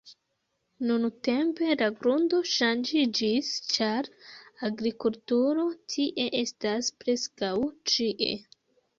Nuntempe, la grundo ŝanĝiĝis ĉar agrikulturo tie estas preskaŭ ĉie.